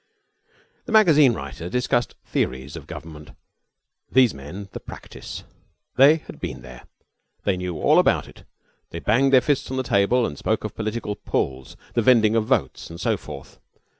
The magazine writer discussed theories of government; these men the practice. They had been there. They knew all about it. They banged their fists on the table and spoke of political "pulls," the vending of votes, and so forth.